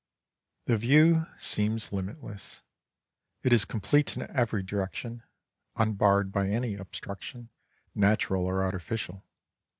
The view seems limitless, it is complete in every direction, unbarred by any obstruction, natural or artificial.